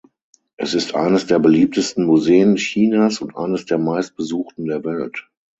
Es ist eines der beliebtesten Museen Chinas und eines der meistbesuchten der Welt.